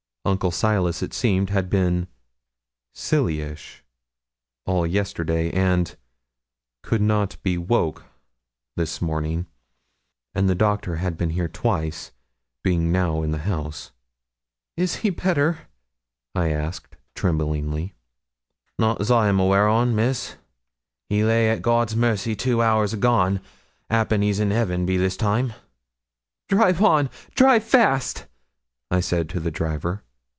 Uncle Silas, it seemed, had been 'silly ish' all yesterday, and 'could not be woke this morning,' and 'the doctor had been here twice, being now in the house.' 'Is he better?' I asked, tremblingly. 'Not as I'm aweer on, Miss; he lay at God's mercy two hours agone; 'appen he's in heaven be this time.' 'Drive on drive fast,' I said to the driver.